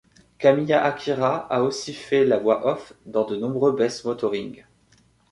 Kamiya Akira a aussi fait la voix off dans de nombreux Best Motoring.